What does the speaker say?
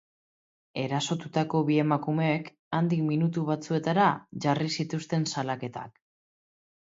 Erasotutako bi emakumeek handik minutu batzuetara jarri zituzten salaketak.